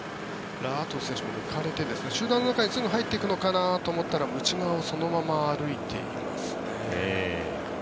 ラ・アトウ選手も抜かれて集団にすぐ入っていくのかと思ったら内側をそのまま歩いていますね。